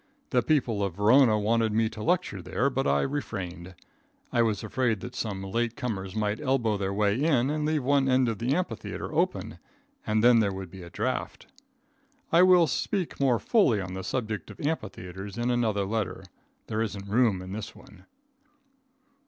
The people of Verona wanted me to lecture there, but I refrained. I was afraid that some late comers might elbow their way in and leave one end of the amphitheatre open and then there would be a draft. I will speak more fully on the subject of amphitheatres in another letter. There isn't room in this one.